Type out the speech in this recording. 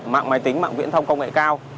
mạng máy tính mạng viễn thông công nghệ cao